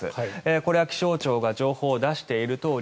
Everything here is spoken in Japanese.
これは気象庁が情報を出しているとおり